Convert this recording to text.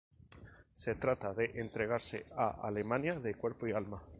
Se trata de entregarse a Alemania de cuerpo y alma.